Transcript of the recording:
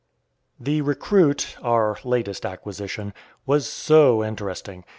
The recruit our latest acquisition was so interesting.